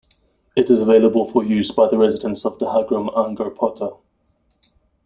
It is available for use by the residents of Dahagram-Angarpota.